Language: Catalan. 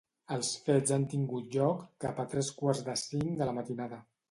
Els fets han tingut lloc cap a tres quarts de cinc de la matinada.